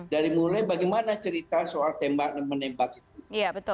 dari mulai bagaimana cerita soal tembak dan menembak itu